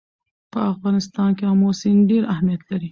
په افغانستان کې آمو سیند ډېر اهمیت لري.